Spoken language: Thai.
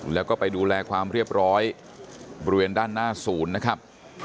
แล้วก็ไปดูแลความเรียบร้อยบริเวณด้านหน้าศูนย์นะครับ